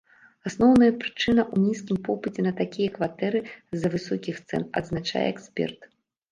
Асноўная прычына ў нізкім попыце на такія кватэры з-за высокіх цэн, адзначае эксперт.